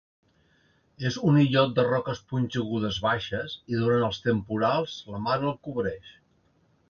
És un illot de roques punxegudes baixes, i durant els temporals la mar el cobreix.